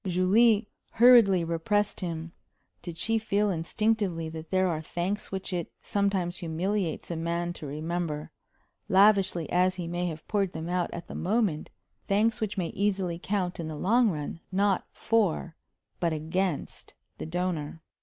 Julie hurriedly repressed him. Did she feel instinctively that there are thanks which it sometimes humiliates a man to remember, lavishly as he may have poured them out at the moment thanks which may easily count in the long run, not for, but against, the donor?